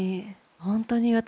本当に私